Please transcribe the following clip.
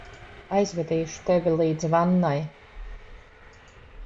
Aizvedīšu tevi līdz vannai.